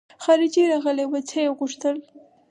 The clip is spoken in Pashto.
خارجۍ راغلې وه څه يې غوښتل.